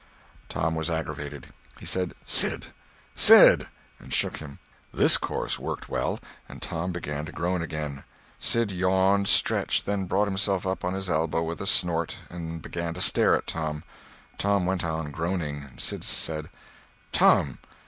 Tom was aggravated. He said, "Sid, Sid!" and shook him. This course worked well, and Tom began to groan again. Sid yawned, stretched, then brought himself up on his elbow with a snort, and began to stare at Tom. Tom went on groaning. Sid said: "Tom!